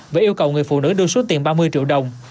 và yêu cầu người phụ nữ đưa số tiền ba mươi triệu đồng